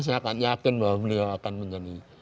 saya akan yakin bahwa beliau akan menjadi